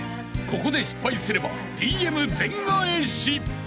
ここで失敗すればＤＭ全返し］